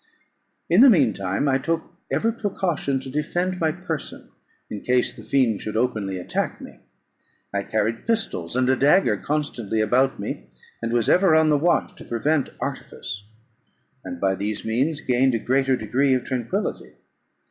In the mean time I took every precaution to defend my person, in case the fiend should openly attack me. I carried pistols and a dagger constantly about me, and was ever on the watch to prevent artifice; and by these means gained a greater degree of tranquillity.